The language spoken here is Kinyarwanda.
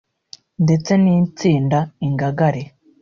ndetse n’Itsinda Ingangare